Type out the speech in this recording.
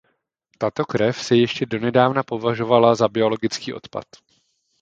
Tato krev se ještě donedávna považovala za biologický odpad.